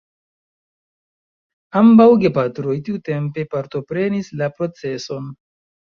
Ambaŭ gepatroj tiutempe partoprenis la proceson.